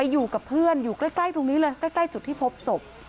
อยู่กับเพื่อนอยู่ใกล้ตรงนี้เลยใกล้จุดที่พบศพ